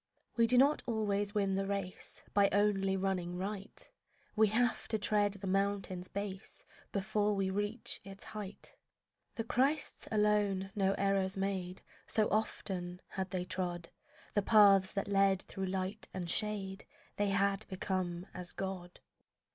We do not always win the race By only running right; We have to tread the mountain's base Before we reach its height. The Christs alone no errors made; So often had they trod The paths that lead through light and shade, They had become as God.